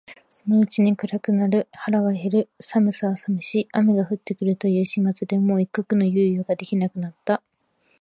そのうちに暗くなる、腹は減る、寒さは寒し、雨が降って来るという始末でもう一刻の猶予が出来なくなった